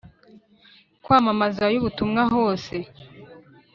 kwamamazayo ubutumwa hose